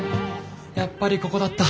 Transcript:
やっぱりここだった。